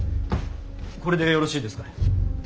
これでよろしいですか。